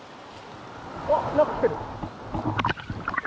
あっ何か来てる！